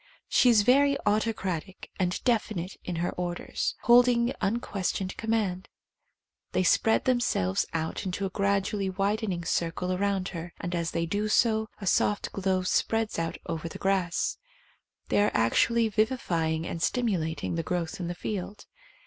She is very autocratic and definite in her orders, holding unques tioned command. They spread themselves out into a gradually widening circle around her, and as they do so, a soft glow spreads out over the grass. They are actually vivi fying and stimulating the growth in the field.